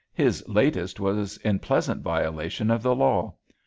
His latest was in pleasant violation of the law.